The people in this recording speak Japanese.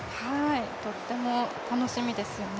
とっても楽しみですよね。